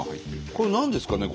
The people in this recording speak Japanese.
これ何ですかね？